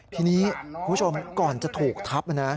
ทีนี้คุณผู้ชมก่อนจะถูกทับนะ